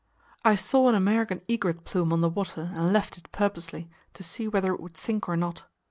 "I saw an American egret plume on the water, and left it, purposely, to see whether it would sink or not.